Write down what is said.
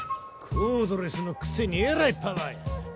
コードレスのくせにえらいパワーや。